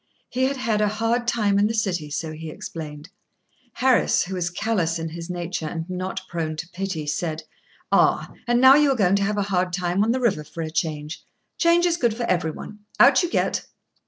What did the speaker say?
He had had a hard time in the City, so he explained. Harris, who is callous in his nature, and not prone to pity, said: "Ah! and now you are going to have a hard time on the river for a change; change is good for everyone. Out you get!"